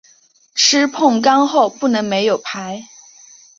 吃碰杠后不能没有牌。